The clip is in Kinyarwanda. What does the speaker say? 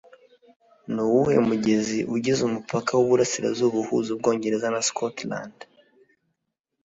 Nuwuhe mugezi ugize umupaka wiburasirazuba uhuza Ubwongereza na Scotland?